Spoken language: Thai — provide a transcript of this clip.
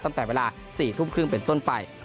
ตั้งแต่เวลา๑๙๓๐เป็นต้นไป